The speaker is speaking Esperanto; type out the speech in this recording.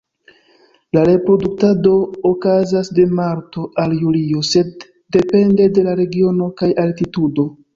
La reproduktado okazas de marto al julio, sed depende de la regiono kaj altitudo.